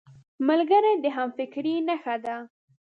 ملګری د همفکرۍ نښه ده